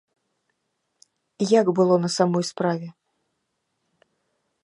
Як было на самой справе?